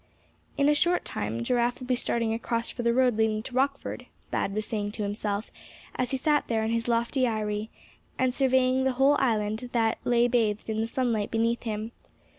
"In a short time, Giraffe will be starting across for the road leading to Rockford," Thad was saying to himself, as he sat there in his lofty eyrie, and surveying the whole island that lay bathed in the sunlight beneath him.